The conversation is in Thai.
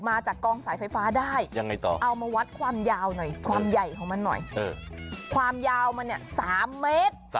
มาจากกองสายไฟฟ้าได้เอามาวัดความยาวหน่อยความใหญ่ของมันหน่อยความยาวมันเนี่ย๓เมตร